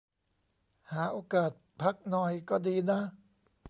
หาโอกาสพักหน่อยก็ดีนะ